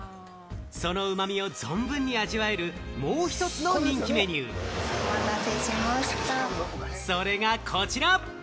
そのうまみを存分に味わえる、もう一つの人気メニュー、それがこちら！